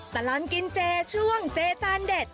ตลอดกินเจช่วงเจจานเด็ด